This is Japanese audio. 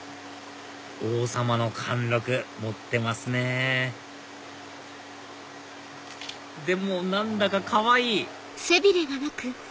王さまの貫禄持ってますねでも何だかかわいい！